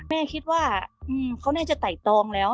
แม่คิดว่าเขาน่าจะไต่ตองแล้ว